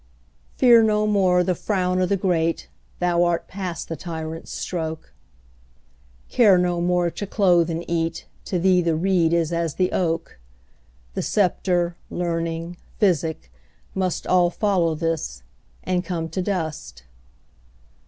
Fear no more the frown o' the great, Thou art past the tyrant's stroke; Care no more to clothe and eat; To thee the reed is as the oak:The sceptre, learning, physic, mustAll follow this, and come to dust.